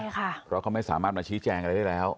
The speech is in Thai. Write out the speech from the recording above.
เพราะเขาไม่สามารถมาชี้แจงอะไรได้แล้ว